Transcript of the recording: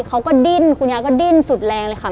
เขาก็ดิ้นคุณยายก็ดิ้นสุดแรงเลยค่ะ